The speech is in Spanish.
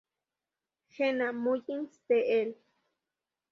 Jenna Mullins de E!